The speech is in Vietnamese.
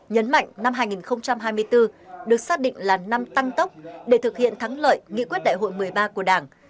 nhấn mạnh năm hai nghìn hai mươi bốn được xác định là năm tăng tốc để thực hiện thắng lợi nghị quyết đại hội một mươi ba của đảng